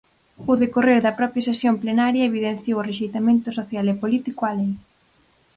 O decorrer da propia sesión plenaria evidenciou o rexeitamento social e político á lei.